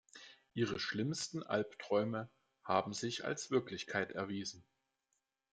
Ihre schlimmsten Alpträume haben sich als Wirklichkeit erwiesen.